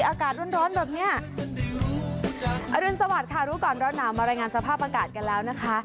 อากาศร้อนร้อนแบบเนี้ยอรุณสวัสดิ์ค่ะรู้ก่อนร้อนหนาวมารายงานสภาพอากาศกันแล้วนะคะ